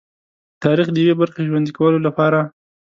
د تاریخ د یوې برخې ژوندي کولو لپاره.